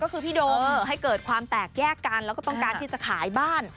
ก็คือพี่โดมให้เกิดความแตกแยกกันแล้วก็ต้องการที่จะขายบ้าน